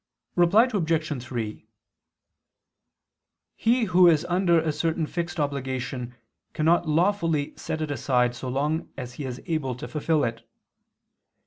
Reply Obj. 3: He who is under a certain fixed obligation cannot lawfully set it aside so long as he is able to fulfil it.